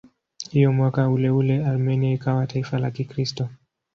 Hivyo mwaka uleule Armenia ikawa taifa la Kikristo.